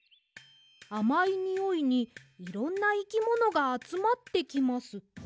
「あまいにおいにいろんないきものがあつまってきます。